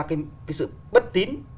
cái sự bất tín